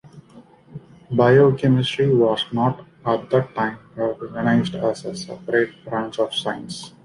Biochemistry was not, at that time, recognised as a separate branch of science.